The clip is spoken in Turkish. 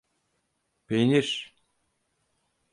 Peynir…